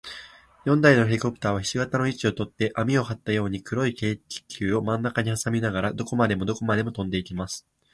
四台のヘリコプターは、ひし形の位置をとって、綱をはったように、黒い軽気球をまんなかにはさみながら、どこまでもどこまでもとんでいきます。